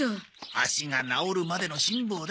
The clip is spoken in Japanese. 足が治るまでの辛抱だ。